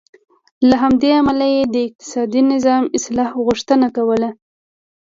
له همدې امله یې د اقتصادي نظام اصلاح غوښتنه کوله.